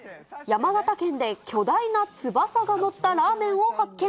山形県で巨大な翼が乗ったラーメンを発見。